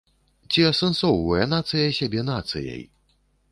Ці асэнсоўвае нацыя сябе нацыяй?